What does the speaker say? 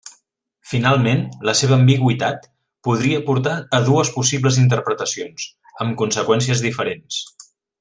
Finalment, la seva ambigüitat podria portar a dues possibles interpretacions, amb conseqüències diferents.